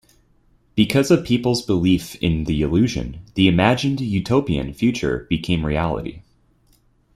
Because of people's belief in the illusion, the imagined utopian future became reality.